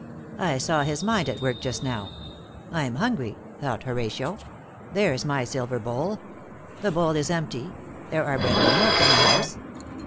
"I saw his mind at work just now. 'I'm hungry,' thought Horatio. 'There's my silver bowl. The bowl is empty. There are bread and milk in the house.